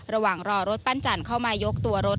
ระหว่างรอรถปั้นจันทร์เข้ามายกตัวรถ